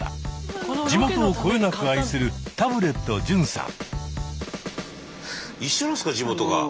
地元をこよなく愛するタブレット純さん。